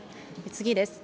次です。